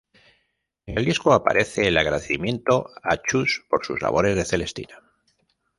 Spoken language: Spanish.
En el disco aparece el agradecimiento "a Chus por sus "labores de Celestina"".